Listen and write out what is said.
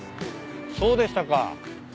そうでしたか。